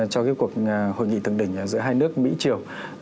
cho cuộc hội nghị thượng đỉnh giữa hai nước mỹ triều